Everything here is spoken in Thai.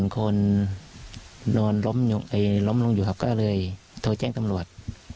คนก่อเหตุล่ะ